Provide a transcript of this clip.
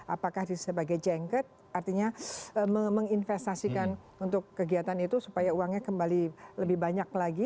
apakah sebagai jengket artinya menginvestasikan untuk kegiatan itu supaya uangnya kembali lebih banyak lagi